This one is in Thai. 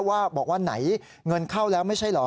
บอกว่าไหนเงินเข้าแล้วไม่ใช่เหรอ